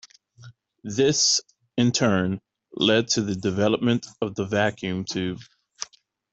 This, in turn, led to the development of the vacuum tube.